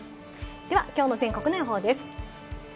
ではきょうの全国の予報です。